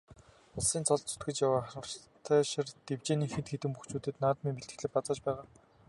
Улсын цолд зүтгэж яваа Хантайшир дэвжээний хэд хэдэн бөхчүүд наадмын бэлтгэлээ базааж байгаа.